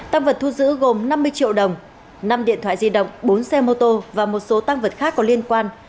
tăng vật thu giữ gồm năm mươi triệu đồng năm điện thoại di động bốn xe mô tô và một số tăng vật khác có liên quan